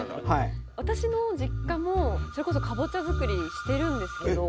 私の実家もそれこそかぼちゃ作りしてるんですけど。